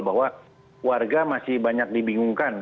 bahwa warga masih banyak dibingungkan